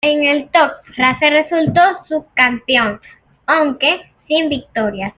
En el Top Race resultó subcampeón aunque sin victorias.